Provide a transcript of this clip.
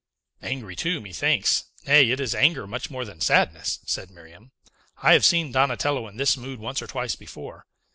"Angry too, methinks! nay, it is anger much more than sadness," said Miriam. "I have seen Donatello in this mood once or twice before.